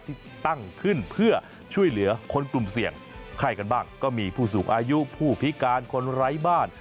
ที่ตั้งขึ้นเพื่อช่วยเหลือคนกลุ่มเสี่ยงไข้กันบ้างก็มีผู้สูงอายุผู้พิการคนไร้บ้าน